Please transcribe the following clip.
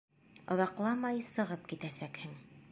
Оҙаҡламай сығып китәсәкһең.